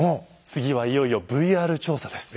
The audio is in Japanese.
次はいよいよＶＲ調査です。